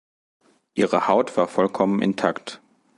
Ihre Haut war vollkommen intakt.